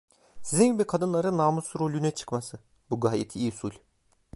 Sizin gibi kadınların namuslu rolüne çıkması, bu gayet iyi usul…